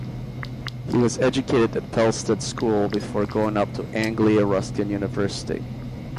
He was educated at Felsted School before going up to Anglia Ruskin University.